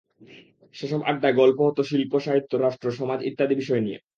সেসব আড্ডায় গল্প হতো শিল্প, সাহিত্য, রাষ্ট্র, সমাজ ইত্যাদি বিষয় নিয়ে।